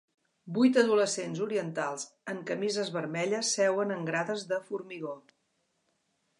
Vuit adolescents orientals en camises vermelles seuen en grades de formigó.